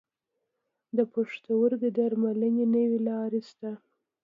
د پښتورګو درملنې نوي لارې شته.